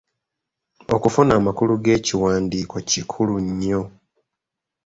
Okufuna amakulu g’ekiwandiiko kikulu nnyo.